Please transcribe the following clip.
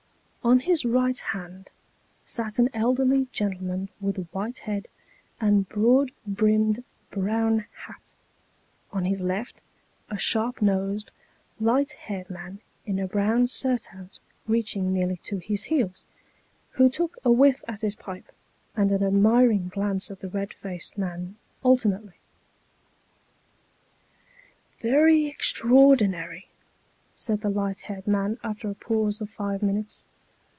On his right hand sat an elderly gentleman with a white head, and broad brimmed brown hat; on his left, a sharp nosed, light haired man in a brown surtout reaching nearly to his heels, who took a whiff at his pipe, and an admiring glance at the red faced man, alternately. " Very extraordinary !" said the light haired man after a pause of five minutes.